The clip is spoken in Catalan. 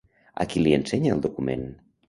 A qui li ensenya el document?